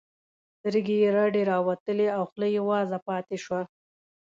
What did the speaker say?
سترګې یې رډې راوختلې او خوله یې وازه پاتې شوه